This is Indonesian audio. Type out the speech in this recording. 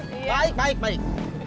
baik baik baik